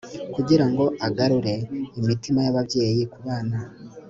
kugira ngo agarure imitima y ababyeyi ku bana